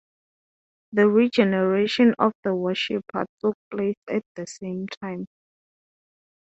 The regeneration of the worshipper took place at the same time.